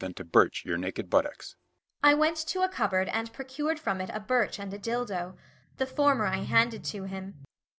I went to a cupboard and procured from it a birch and a dildo the former I handed to him.